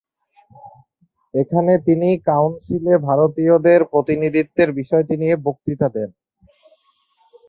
এখানে তিনি কাউন্সিলে ভারতীয়দের প্রতিনিধিত্বের বিষয়টি নিয়ে বক্তৃতা দেন।